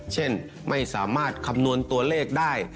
เช่นไม่สามารถคำนวณตัวเลขได้